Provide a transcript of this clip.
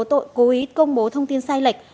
tội cố ý công bố thông tin sai lệch